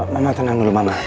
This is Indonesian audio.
mama tenang dulu mama